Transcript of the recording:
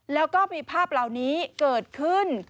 แล้วก็มีภาพเหล่านี้เกิดขึ้น